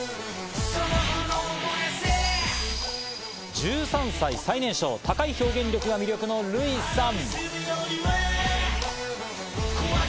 １３歳最年少、高い表現力が魅力のルイさん。